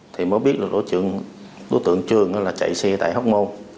thì mới biết là đối tượng trường là chạy xe tại hóc môn